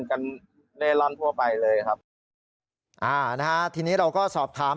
อ่านะฮะทีนี้เราก็สอบถาม